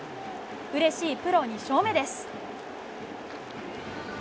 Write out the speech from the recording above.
うれしいプロ２勝目です。